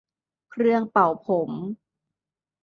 เครื่องเป่าผม